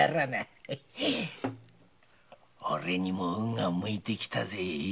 おれにも運が向いてきたぜ。